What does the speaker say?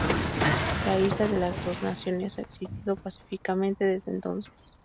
La isla de las dos naciones ha existido pacíficamente desde entonces.